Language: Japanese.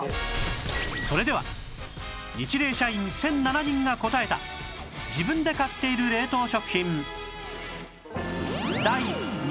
それではニチレイ社員１００７人が答えた自分で買っている冷凍食品